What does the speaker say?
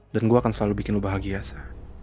dan gue akan selalu bikin lo bahagia sa